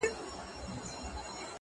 • جهاني له دې وطنه یوه ورځ کډي باریږي,